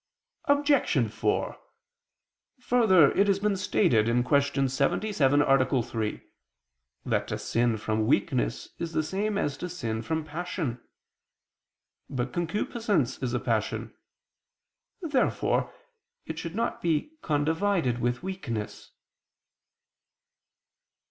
Obj. 4: Further, it has been stated (Q. 77, A. 3) that to sin from weakness is the same as to sin from passion. But concupiscence is a passion. Therefore it should not be condivided with weakness.